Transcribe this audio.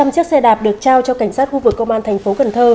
ba trăm linh chiếc xe đạp được trao cho cảnh sát khu vực công an tp cn